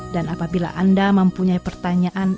dan apabila anda mempunyai pertanyaan